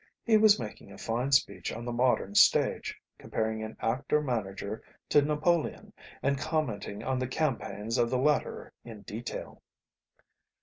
He was making a fine speech on the modern stage, comparing an actor manager to Napoleon, and commenting on the campaigns of the latter in detail.